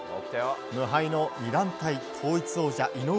無敗の２団体統一王者井上